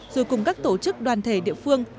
rồi cùng các tổ chức đoàn thể địa phương